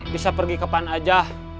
bisa pergi kapan aja